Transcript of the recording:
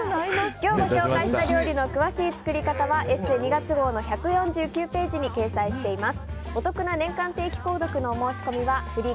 今日ご紹介した料理の詳しい作り方は「ＥＳＳＥ」２月号の１４９ページに掲載しています。